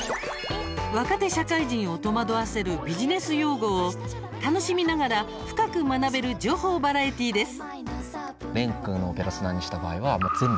若手社会人を戸惑わせるビジネス用語を楽しみながら深く学べる情報バラエティーです。